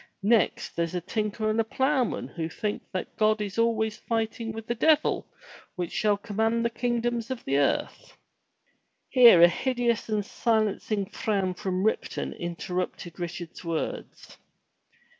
Next there's a tinker and a ploughman who think that God is always fighting with the devil which shall command the kingdoms of the earth —" Here a hideous and silencing frown from Ripton interrupted Richard's words.